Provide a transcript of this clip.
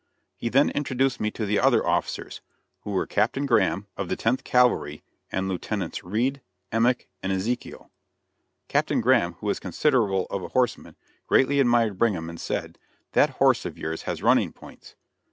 He then introduced me to the other officers, who were Captain Graham, of the Tenth Cavalry, and Lieutenants Reed, Emmick and Ezekiel. Captain Graham, who was considerable of a horseman, greatly admired Brigham, and said: "That horse of yours has running points."